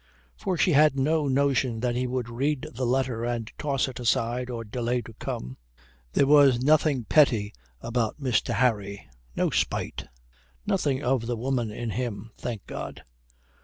For she had no notion that he would read the letter and toss it aside or delay to come. There was nothing petty about Mr. Harry, no spite. Nothing of the woman in him, thank God.